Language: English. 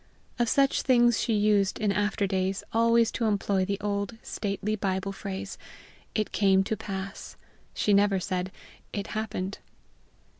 Of such things she used, in after days, always to employ the old, stately Bible phrase, "It came to pass"; she never said, "It happened."